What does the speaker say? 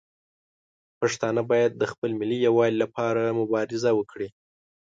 پښتانه باید د خپل ملي یووالي لپاره مبارزه وکړي.